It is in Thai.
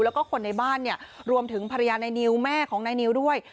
แล้วก็คนในบ้านเนี่ยรวมถึงภรรยานายนิวแม่ของนายนิวด้วย